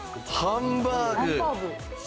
ハンバーグ！